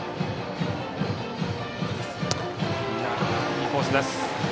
いいコースです。